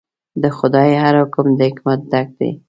د خدای هر حکم د حکمت ډک دی.